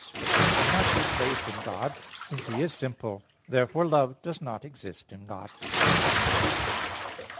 But this cannot take place in God, since He is simple. Therefore love does not exist in God.